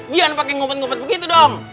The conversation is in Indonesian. jangan pakai ngumpet ngumpet begitu dong